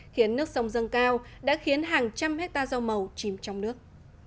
khiến nước sông dâng cao đã khiến hàng trăm hectare rau màu chìm trong nước